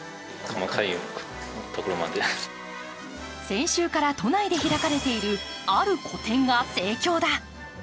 先週から都内で開かれている、ある個展が盛況だ。